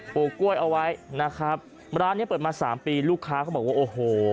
ลูกกล้วยเอาไว้นะครับร้านเนี้ยเปิดมาสามปีลูกค้าเขาบอกว่าโอ้โห